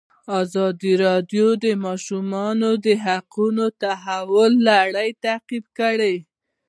ازادي راډیو د د ماشومانو حقونه د تحول لړۍ تعقیب کړې.